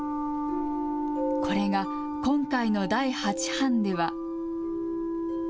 これが今回の第八版では。